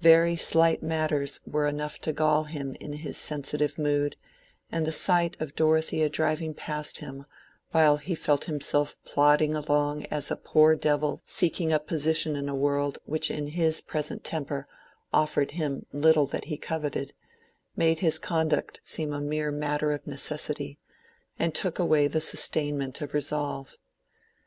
Very slight matters were enough to gall him in his sensitive mood, and the sight of Dorothea driving past him while he felt himself plodding along as a poor devil seeking a position in a world which in his present temper offered him little that he coveted, made his conduct seem a mere matter of necessity, and took away the sustainment of resolve.